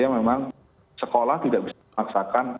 memang sekolah tidak